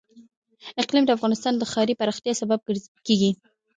اقلیم د افغانستان د ښاري پراختیا سبب کېږي.